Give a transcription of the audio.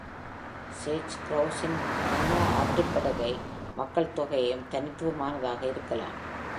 Sage கிரௌஸ்-இன் Mono ஆற்றுப்படுகை மக்கள்தொகையும், தனித்துவமானதாக இருக்கலாம்.